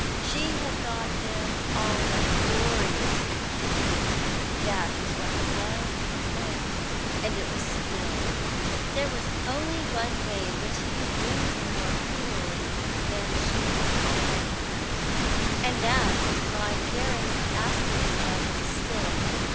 She had thought him all that was glorious in man that was what her love had meant; and it was spilled. There was only one way in which he could wound her more cruelly than she was already hurt, and that was by daring to ask her to love him still.